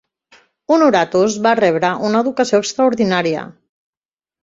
Honoratus va rebre una educació extraordinària.